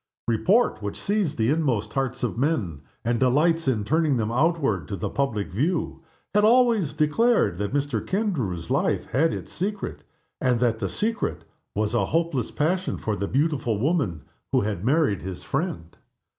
Report, which sees the inmost hearts of men, and delights in turning them outward to the public view, had always declared that Mr. Kendrew's life had its secret, and that the secret was a hopeless passion for the beautiful woman who had married his friend.